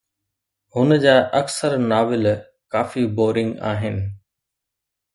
هن جا اڪثر ناول ڪافي بورنگ آهن